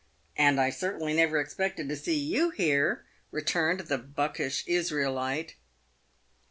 " And I certainly never expected to see you here," returned the buckish Israelite.